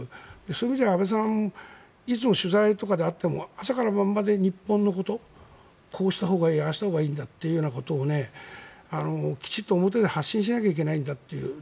そういう意味では安倍さんいつも取材とかで会っても朝から晩まで日本のことをこうしたほうがいいああしたほうがいいときちっと表で発信しなきゃいけないんだっていう。